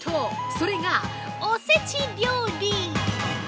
それが、おせち料理！